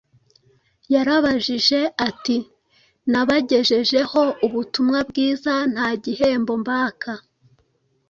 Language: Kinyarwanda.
Yarabajije ati, “Nabagejejeho Ubutumwa bwiza nta gihembo mbaka,